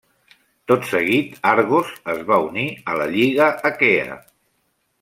Tot seguit Argos es va unir a la Lliga Aquea.